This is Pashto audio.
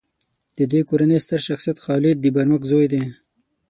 د دې کورنۍ ستر شخصیت خالد د برمک زوی دی.